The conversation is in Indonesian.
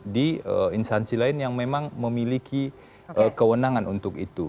dan juga proses hukum di instansi lain yang memang memiliki kewenangan untuk itu